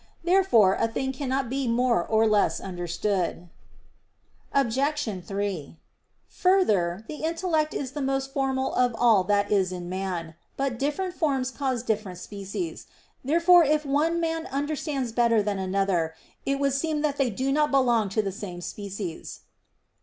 Therefore a thing cannot be more or less understood. Obj. 3: Further, the intellect is the most formal of all that is in man. But different forms cause different species. Therefore if one man understands better than another, it would seem that they do not belong to the same species.